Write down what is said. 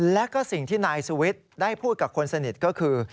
และก็สิ่งที่นายสุวิทย์ได้พูดกับคนสนิทก็คือ